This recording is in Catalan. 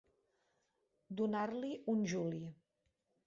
Donar-li un juli.